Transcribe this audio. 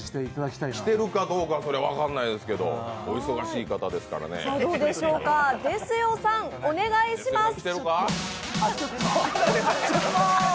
来てるかどうか分からないですけど、お忙しい方ですからね。ですよさん、お願いします。